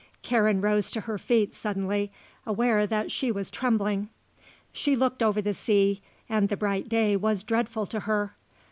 Karen rose to her feet suddenly, aware that she was trembling. She looked over the sea and the bright day was dreadful to her.